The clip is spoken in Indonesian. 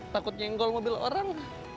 takut nyenggol mobil orang